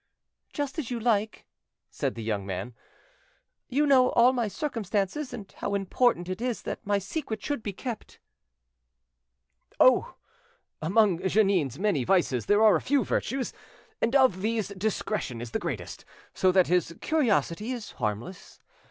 "Just as you like," said the young man; "you know all my circumstances and how important it is that my secret should be kept." "Oh! among Jeannin's many vices there are a few virtues, and of these discretion is the greatest, so that his curiosity is harmless.